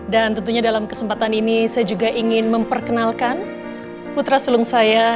dan tentunya dalam kesempatan ini saya juga ingin memperkenalkan putra sulung saya